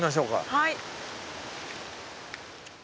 はい。